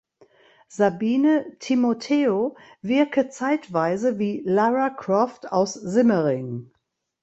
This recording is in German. Sabine Timoteo wirke zeitweise wie Lara Croft aus Simmering.